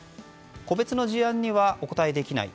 個別の事案にはお答えできない。